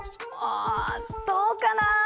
あどうかな？